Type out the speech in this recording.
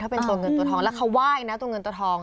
เป็นตัวเงินตัวทองแล้วเขาไหว้นะตัวเงินตัวทอง